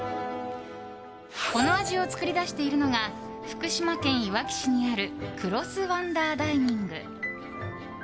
この味を作り出しているのが福島県いわき市にあるクロスワンダーダイニング。